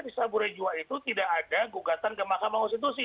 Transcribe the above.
di saburejwa itu tidak ada gugatan ke mahkamah konstitusi